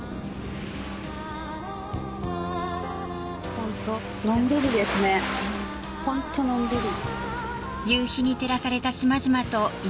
ホントのんびりですねホントのんびり。